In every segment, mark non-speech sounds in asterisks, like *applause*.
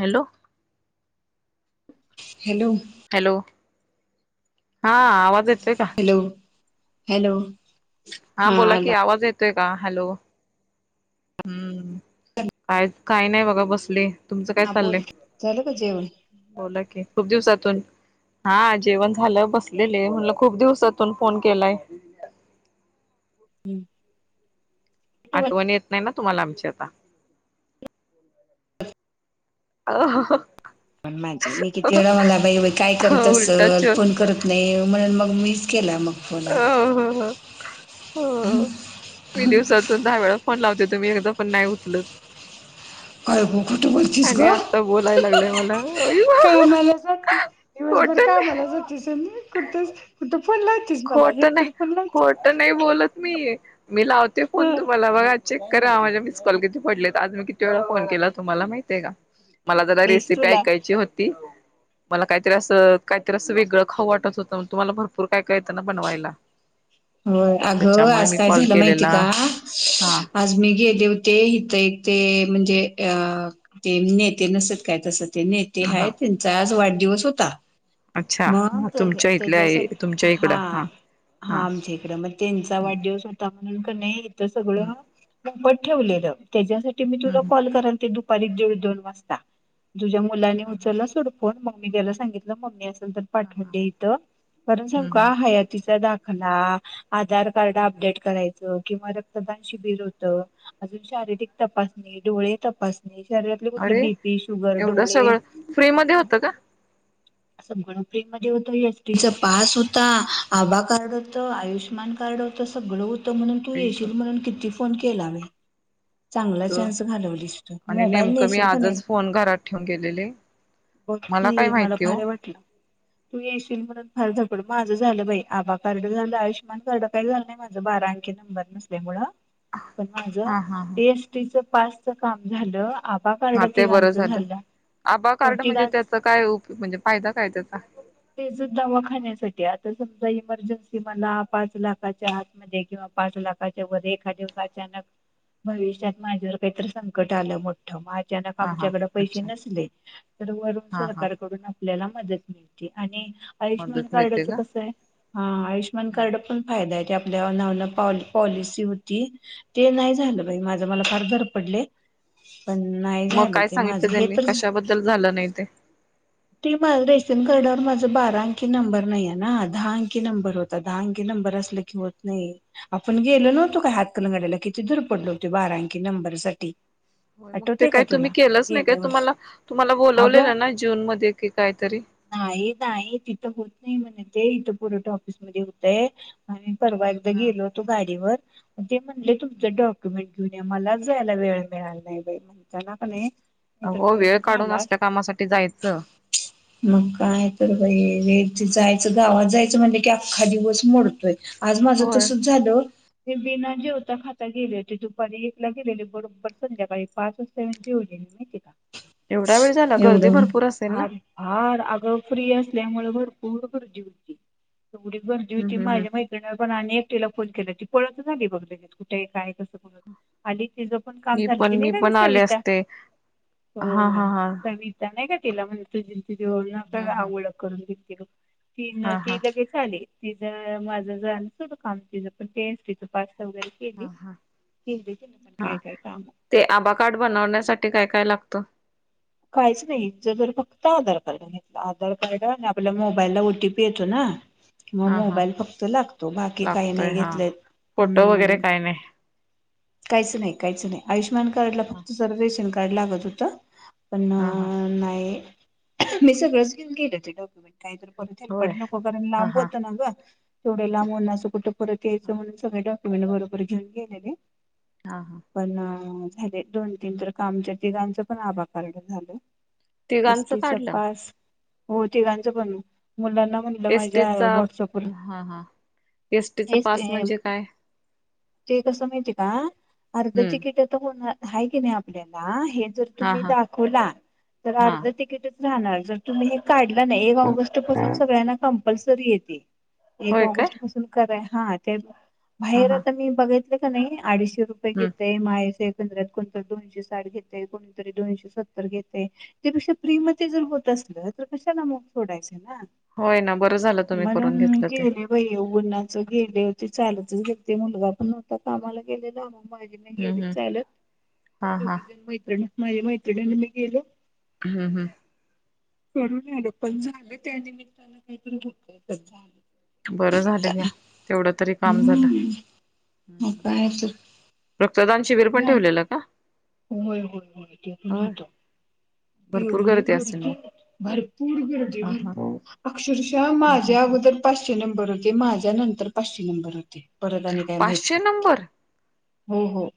Hello, hello hello हा आवाज येत हॅलो हॅलो हा बोला की आवाज येत? येतोय का हॅलो हम्म काय काही नाही बघा बसले, तुमचं काय हा बोल चाललंय झालं का जेवण बोला की खूप दिवसातून हा जेवण झालं बसलेले म्हणटलं खूप दिवसातून फोन केलाय? हम्म आठवण येत नाही ना? तुम्हाला आमची आता अ *unintelligible* माझे मी किती वेळा मला बाई काय करत उलटाच असल फोन करत नाही म्हणून मग - मीच केला मग - अ हो हो हो मी दिवसातून दहा वेळा फोन लावते. तुम्ही एकदा पण नाही उतलत! काय ब कुठे बोलतीस ग बोलायला लागलंय मला कामाला जातीस दिवसभर खोट नाही कामाला जातीस आणि! कुठच इथ कुठ. खोट नाही खोट नाही लावतीस बोलत मी मी लावते फोन ह तुम्हाला बघा चेक करा माझे! मिस कॉल किती पडले आज मी किती वेळा फोन केला तुम्हाला माहिती आहे का? मला जरा मीच रेसिपी तुला ऐकायची होती. मला काहीतरी असं काहीतरी असं वेगळं खाऊ वाटत होतं मग तुम्हाला भरपूर काय! काय त्यांन बनवायला. होय अगं त्याच्यामुळे आज मी काय कॉल झालं माहिती केलेला का हा आज मी गेले होते. ते इथ इथे ते म्हणजे अ ते नेते नसतात काय तस! नेते ह आहे हा त्यांचा आज वाढ! दिवस होता. अच्छा मग त्याच्या तुमच्या इथल्या त्याच्यासाठी तुमच्या इकडं हां हां. इकड मग त्यांचा वाढदिवस होता म्हण! नाही इथ हम्म सगळं मोफत ठेवलेलं! त्याच्यासाठी मी तुला हम्म कॉल करालते दु परत देऊ दोन वाजता. तुझ्या मुलांनी हम्म उचलला सोडू कोण मम्मी त्याला सांगितलं मम्मी अस बरं पाठवते इथ कारण हम्म सांगू हम्म हयातीचा दाखला. आधार कार्ड अपडेट करायचं किंवा रक्तदान शिबिर होतं, अजून शारीरिक तपासणी डोळे तपासणी! शरीरातले कुठले अरे बीपी शुगर एवढं डोळे. सगळं फ्री मध्ये होतं का असं *unintelligible* होत एसटीचा पास होता आभा कार्ड होत आयुष्य - आयुष्यमान कार्ड होतं सगळ होत. म्हणून तू येशील आयुष्य म्हणून किती फोन केला मी चांगला चान्स घालवलीस तू आणि मोबाईल नेमकं मी नेशिल का नाही आजच फोन घरात ठेवून गेलेले बग काय की, मला माहिती हो भारी वाटलं. तू येशील म्हणून फार झपड माझं झालं बाई आबा कारड झालं आयू मान माझं कर्ड काही झालं नाही माझं बारा अंकी नंबर नसल्यामुळं. पण माझ हा हा हा एसटीच. पासच काम झालं आभा कार्ड हा ते बरं तिघांचं झालं आबा हो कार्ड म्हणजे तिघांचं त्याचा काय उपय म्हणजे फायदा काय त्याचा? जर समजा इमर्जन्सी मला पाच लाखाच्या हात म किंवा पाच लाखाच्या व एखादवस अचानक भविष्यात माझ्यावर काहीतरी संकट आलं मोठ मा अचानक हा हा आमच्याकड पैसे अच्छा नसले तर वरून हा हा सरकारकडून आपल्याला मदत. मिळती आणि. आयुष्यमान मदत मिळते कार्डच का कस आहे? हा आयुषमान हम्म. कार्ड. नाही नाही ती आपल्या नावाने पॉलिसी होती. ते नाही झालं माझ मि फार धर पडले. मग काय सांगितलं त्यांनी कशाबद्दल झालं नाही ते? ते रेस्टन कार्डावर माझ बारांकी नंबर नाहीये ना दहा अंकी नंबर होता, दहा अंकी नंबर असल की होत, नाही आपण गेलो नव्हतो काय हातकलून गाडला किती दुरपडल होत बारांकी नंबरसाठी. हो मग ते काही तुम्ही केलंच नाही काय? वर्षी तुम्हाला तुम्हाला अगं बोलावलेलं ना जून मध्ये? की कायतरी? नाही नाही तिथं होत, नाही म्हण ते इथं पुरवठा ऑफिसमध्ये होतय आणि. परवा एकदा गेलो तो गाडीवर. ते म्हटले तुमचं डॉक्युमेंट. घेऊन या. मलाच जायला वेळ मिळाला नाही बाई. म्हणताना का नाही. नाहीतर आहो माझं वेळ ते काढून झालं असल्या कामासाठी जायचं. मग काय तर बाई. यायचं जायचं गावात जायचं म्हणलं की अख्खा दिवस मोडतोय. आज माझं होय तसच झालं ब जेवता खाता गेले होते. दुपारी एकला गेलेले बरोबर संध्याकाळी पाच वाजता मी जेवली माहितीये का? एवढा वेळ झाला गर्दी भरपूर अस हा हा अग. फ्री असल्यामुळे भरपूर गर्दी होती. एवढी गर्दी होती. हम्म हम् हम् माझ्या मैत्रिणीला पण आणि एकटीला केला ती पळत झाली बघ कुठे काय कस आणि ति ज पण काम मी झालं की पण नाही मी का पण आले सविता? असते हा हो हा हा सविता नाही का? केला म्हणतोय ते. हम्म हम्म ओळख करून दि ते बघ. तीन हा ती हा लगेच आली. तिच माझं जणस होत खांब तिचा पण टेस्ट येतं फ. ह ह पण हा काय काय काम ते आभा कार्ड बनवण्यासाठी काय काय लागतं? काहीच नाही. तिच तर फक्त आधार कार्ड घेतलं आधार कार्ड आणि आपला मोबाईलला ओटीपी येतो ना? मग हा हा मोबाईल फक्त लागतो. बाकी काही लागतोय नाही हा घेतले. फोटो वगैरे हम् काही नाही काहीच नाही? *inaudible* *inaudible* आयुष्न कार्डलाक्त हा सर्वेशन कार कलागत होत पण अ हा अ नाही मिस सगळे चं घेऊन गेले होते डॉक्युमेंट कायत्र परत हेल होय पडकरन ला हा अंब हा होतो नग तेवढं लांब उनाच कुठ परत यायच म्हण सगलं डॉक्यूमेट बरोबर घेऊन गे हा हा *inaudible* प णअ अ झाले दोन तीन तर कामच तिघांचा पण आभाग पण *unintelligible* झालं तिघांचं काढलं पास हो तेघांचं बणू मुलांना म्हणलं माझ्या अ एसटीचा व्हॉट्सअपवर हा हा *unintelligible* *unintelligible* एसटीचा हेच पास ते अ अम म्हणजे काय ते कस माहिती का अर्ध्य ती हम्म किट आत होन हाय किणी आपडेला आ हे जर हा तुम्ही हा दाद खुला तर हा अर्ध तिकीट जा णार जर तुम्ही हे का नाही नाही एक ऑगस्ट पासून सगळ्यांना काम कपल्सरी येते एक होय काय ऑगस्ट पासून कराय हा हा ते ब हा बाहेर हा आता मी बघाय का नाही अडीचश हम्म रुपयेघेत माय *unintelligible* कोण दोनशे साठ घेते कोणीतरी दोनशे सत्त घेत त्यापेक्षा फ्री मधे जर होत असलं तर कशाला मग सोडायचं *unintelligible* होय ना बरं झालं तुम्ही णा करून म्हणून घेतलं ते गेले भाई उन्हाच गेले हो ते चालू *unintelligible* मुलगा पण नवता कामाला गेलेला मागे नाही हम्म गेले हम्म चालत हा हा दोघी जण मैत्रिणी माझी माहि तीडेन मी ग येलो हम्म हम्म करून आल पण झालं त्यानमित्तान काहीतरी झालं *unintelligible* बरं झालं घ्या, निमित्तानं तेवढं तरी काम झालं. हम्म मग काय प्रदान शिबिर पण तर ठेवलेलं का? होय होय होय ते पण होय होतं. भरपूर एवढी असेल गर्दी, मग भरपूर गर्दी हा भर हा अक्षरशः माझ्या अगोदर पाचशे नंबरच. ते माझ्या नंतर पाचशे नंबर होते. परत आणि काय माहित पाचशे नाही. नंबर हो हो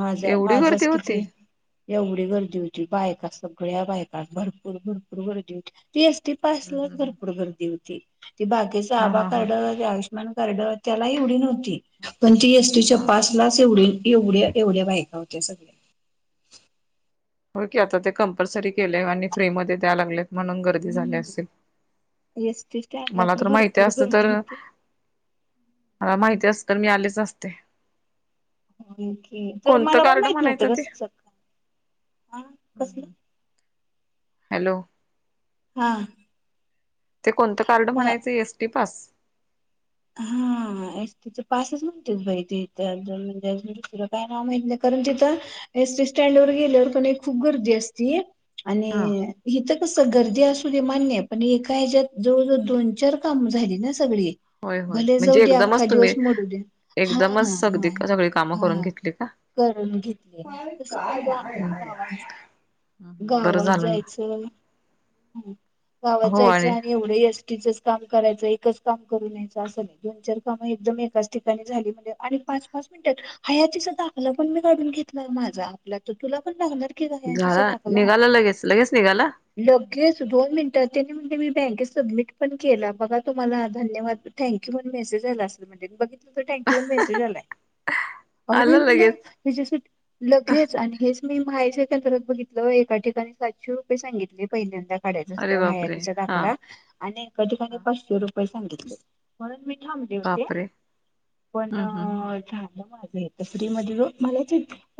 माझा एवढी माझाच गर्दी होती किती एवढी गर्दी होती. बायका, सगळ्या बायका भरपूर भरपूर गर्दी होती. पी एसटी पास ला हा भरपूर गर्दी होती. *unintelligible* ती बाकीचा आबा हा हा काढ *unintelligible* पॅन कार्ड त्यालाही एवढी नव्हती. पण ती त हा पा *unintelligible* एवढं एवढ्या एवढ्या बायका हो ते सगळे *unintelligible* हो की आता ते कंपल्सरी केले. आणि फ्री मध्ये द्या द्या लागले. म्हणून गर्दी झाली हम्म असेल. एस टी स्टँडला मला तर माहिती भरपूर असत गर्दी तर होती. मला माहिती अस, तर मी आलेच असते. तर कोणतं मला पण कार्ड माहित म्हणायचं नव्हतं ते कस, स हा कसली, हॅलो.. हा... ते कोणतं कार्ड हा म्हणायचं, एसटी पास. हा एसटीच पासच म्हणतेच, बाई तथ म्हणजे दुसरं काय नाव माहत नाही, कारण तिथं एसटी स्टँड वर गेल्यावरण खूप गर्दी असती. हा आणि हित कस. गर्दी असू दे मान्य आहे. पण एका ह्याच्यात जवळजवळ दोन चार काम झाली ना. सगळी... होय होय भले जाऊ म्हणजे दे अख्खा एकदमच दिवस तुम्ही मोडू दे. हा एकदमच सगदी सगळी कामं करून हा घेतली का करून घेतले तस काय बाबा गावात बरं गावात झालं जायचं, ना गावात हो जायचं, आणि एवढं अस. तिचच काम करायचं एकच काम करून न्यायचं *unintelligible* दोन चार काम एकदम एकाच ठिकाणी झाली म्हणजे, काय आणि पाच पाच मिनिटात हया तिचा दाखला पण मी काढून घेतला. माझा आपला तर तुला पण दागणार, त झाला दाला निघाला लगेच लगेच निघाला लगेच दोन मिनट म्हण मी *unintelligible* बँकेत सबमिट पण केला. बघा तुम्हाला धन्यवाद. थँक्यू म्हण मसेजय असल म्ह बघ थँक्यू मेसेज आलाय. अंग बाई आलं म्हणलं, लगेच लगेच आणि मी माहेरी बघितलं एका ठिकाणी सातशे रुपये सांगितले पहिल्यांदा. अस अरे बापरे हयातीचा हा दाखला आणि एका ठिकाणी पाचशे रुप प सांगितलं. *unintelligible* थांबले होते. बापरे पण हम्म हम्म झालं माझ. फ्री मध्ये मला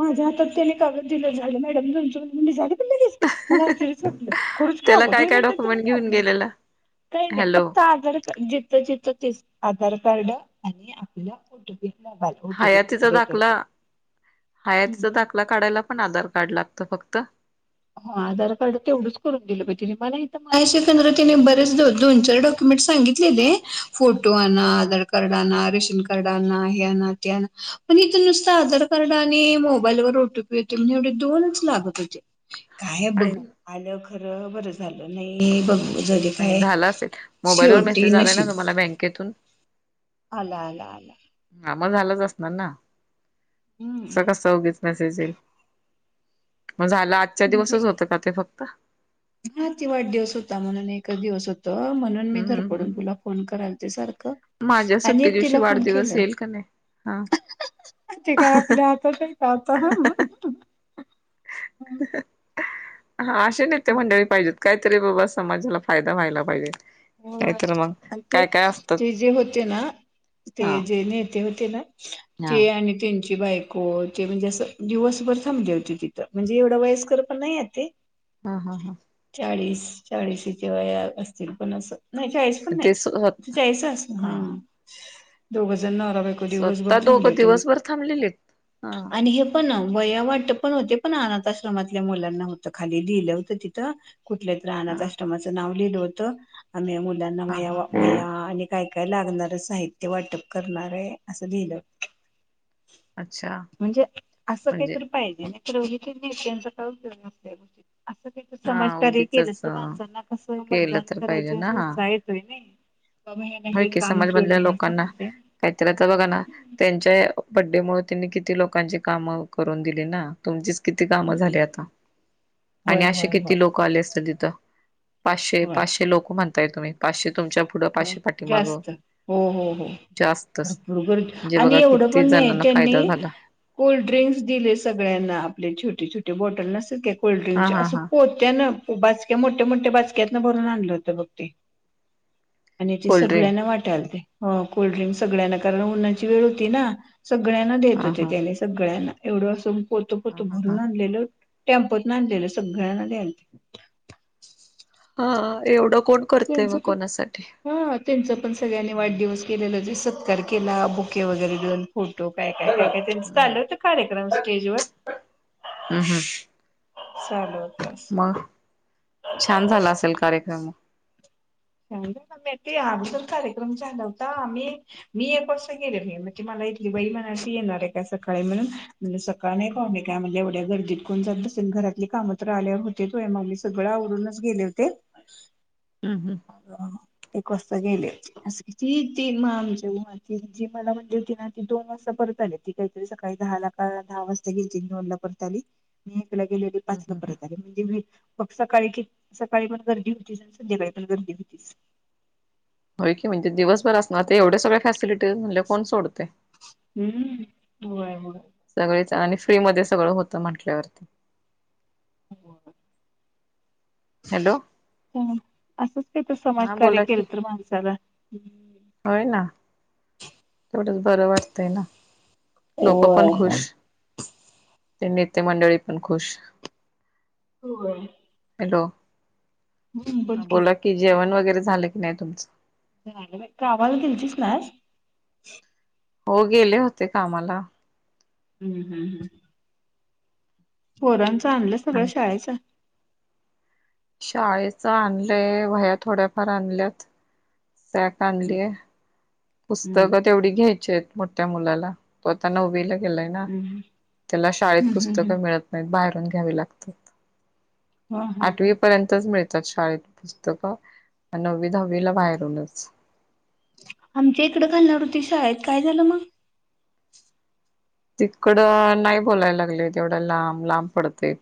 माझ्या हातात त्याने कावज दिलं झालं मॅडम तुमचं म्हणे झालं. झालं पण लगेच! मला आश्चर्यच वाटलं. खरच की त्याला अगं काय दोन काय मिनिटात झालं डॉक्युमेंट घेऊन काढून गेलेला काही नाही हॅलो फक्त आधार कार्ड ते आधार कार्ड आणि आपला फोटो पे हयातीचा दाखला. हम्म. हयातीचा दाखला काढायला पण आधार कार्ड लागतं फक्त. त हो आधार कार्ड तेवढच करून दिलं ति मलांदिने बरेच दोन चार डॉक्युमेंट सांगलेलेो फोन फोटो आण, हा आधारकारड आण रेशन कार्डना आना हे आना ते आना पण इथे नुसतं आधार कार्ड आणि मोबाईलवर ओटीपी होते म्हणजे एवढे दोनच लागत होते. काय आणि बघू, आलं. *unintelligible* बरं झालं नाही, *unintelligible* नाही काय झाला असेल, मोबाईलवरर शेवटी मेसेज आलाय ना नशीब तुम्हाला बँकेतून? आला आला आला हा मग झालंच असणार ना. तस हम्म कसं, उगीच मेसेज येईल? मग झालं, आजच्या बघूया दिवसच होतं का ते फक्त? हा ते वाढदिवस होता म्हणून, एकच दिवस होत. म्हणून मी हम्म हम्म धडपडून तुला हम्म फोन करालते सारख. माझ्या आणि सुट्टी एक दिवशी तिला फोन वाढदिवस केलं. येईल का नाही हा *unintelligible* ती काय आपल्या हातात आहे का आता? हा, अशे नेते मंडळी पाहिजेत. काहीतरी बाबा, समाजाला फायदा व्हायला पाहिजे. नाही होय तर मग, काय काय असतात. तेना ते हा जे नेते ते होते ना? हा ते आणि तीन ची बायको, ते म्हणजे अस दिवसभर थांबले होती तिथं. म्हणजे एवढा वयस्कर पण नाहीयेत ते. हा हा हा. चाळीस - चाळीशीची वया असतील. पण असं, नाही चॉईस पण ते स्व नाही, चॉईस असन हा दोघंच *unintelligible* जण नवरा बायको दिवसभर स्वतः थांबले दोघं तेनी. दिवसभर थांबलेले हा आणि हे पण वया वाटप पण होते, पण अनाथ आश्रमातल्या मुलांना होतं, खाली लिहिलं होतं तिथं. कुठल्या तर अनाथ हा आश्रमाचं नाव. लिहिलं होतं. *unintelligible* मुलांना हा वह्या हा वा वह्या आणि काय काय लागणार साहित्य वाटप करणारय, असं लिहिलं अच्छा म्हणजे, असं काही म्हणजे तर पाहिजे ना *unintelligible* नेत्यांचा काय उपयोग नसतोय बघ तिथ असं काहीतर हा समाजकार्य केलं उगीचच तर, माणसांना कसं केलं तर मतदान *unintelligible* उत्साह येतोय *unintelligible* *unintelligible* व्हय हे की काम समाजमधल्या केलंय असं लोकांना म्हणते काहीतरी आता बघा ना हम्म. त्यांच्या बड्डे मूळ त्यांनी किती लोकांची कामं करून दिली ना तुमचीच किती काम झाली? हम्म. आता होय आणि असे होय होय किती लोक आले असतील तिथ त पाशे होय पाशे लोक म्हणतात. कमीत कमी पाचशे तरी तुमच्या पुढं होय पाशे आहेत जास्त हो हो हो जास्तच भरपूर गरमी म्हणजे बघा आणि एवढं किती पण नाही जणांना त्यांनी फायदा झाला कोल्डड्रिंक्स दिले सगळ्यांना आपले छोटे छोटे बॉटल नसल की, हा कोलल्ड्रिंकचे हा असं हा पोत्यान बाजक्या मोठ्या मोठ्या बाजक्यात न भरून आणलं होतं बघ ते. आणि ते कोल्ड्रिंक सगळ्यांना वाटाल ते हो कोल्ड्रिंक सगळ्यांना कारण उन्हाची वेळ होती ना. सगळ्यांना देत हा होते हा त्याने सगळ्यांना एवढं असं मंजे. पोत हा पोत हा हा भरून आणलेल, टेम्पोतन आणलेलं सगळ्यांना द्यालती. हा एवढं! कोण करतय त्याचा मग पण कोणासाठी हा त्यांच पण सगळ्यांनी हम्म वाढदिवस केलेला जे स तारखेला बुके वगैरे घेवून. फोटो काय काय काय काय त्यांच हम्म चाललं होत, हम्म असे कार्यक्रम स्टेज वर हम्म चालू होत. मग छान झाला असेल कार्यक्रम म. काय ग मम्मे ती अगोदर कार्यक्रम झाला होता. आमी मी एक वासता गेलेली, मंजे मला इथली बाई म्हणाली येणार आहे, का सकाळी म्हणून म्हणलं सकाळी? काय नाही पाव्हणी काय म्हणल्या एवढ्या गर्दीत तिथं कोण जात बसेल घरातली कामं, तर आल्यावर होत्यात व्हय मग मी सगळ आवरूनच गेले होते. हम्म हम्म एक वाजता गेले व ती ती जी मला म्हणली होती ना ती दोन वाजता परत आली. ती काहीतरी सकाळी दहाला का दहा वाजता गेली दोनला परत आली. मी एकला गेलेली हम्म पाचला हम्म परत आले, बघ सकाळी किती सकाळी पण गर्दी होती आणि संध्याकाळी पण गर्दी व्हतीच. होय की म्हणजे ते दिवसभर असणार तर एवढ्या सगळ्या फॅसिलिटी तेचं म्हणल्यावर कोण सोडतय. हम्म व्हय व्हय. सगळेच आणि फ्री मध्ये सगळं होत म्हटल्यावरती हा व्हय. हॅलो ह असंच काय तर हा समाजकार्य बोला की केलं तर माणसाला हम्म. होय ना तेवढच. खरं वाटतय ना. लोक पण होय. खुश. ते नेते मंडळी पण खुश. व्हय. हॅलो हा बोला की, जेवण वगै वगैरे झालं की नाही तुमचं? कामाला गेलतीस ना आज? हो गेले होते कामाला. हम्म हम्म हम्म. पोरांचं आणलं सगळ आणि शाळेच? शाळेच आणलंय, वह्या थोड्याफार आणल्यात. सॅक हम्म आणलीय. हम्म पुस्तकं तेवढी घ्याय चीत मोठ्या मुलाला, तो आता नववी ला गेलाय ना. हम्म त्याला शाळेत हम्म हम्म पुस्तक हम्म मिळत नाहीत बाहेर घ्यावे लागतात. हा हा हा. आठवी पर्यंतच मिळ तात शाळेत पुस्तकं. नववी दहावीला बाहेरूनच. आमच्या इकड घालणार हुती शाळेत, काय झालं मग? तिकडं नाही बोलायला लागले तेवढ्या लांब, लांब. पडतय ते.